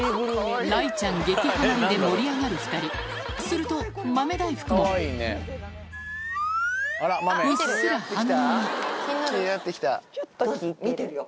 雷ちゃん激ハマりで盛り上がる２人すると豆大福も見てるよ。